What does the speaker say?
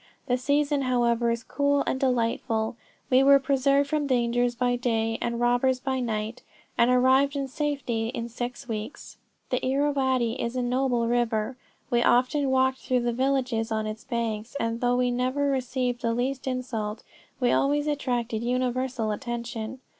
The season however is cool and delightful, we were preserved from dangers by day and robbers by night, and arrived in safety in six weeks. The Irrawaddy is a noble river; we often walked through the villages on its banks, and though we never received the least insult, we always attracted universal attention.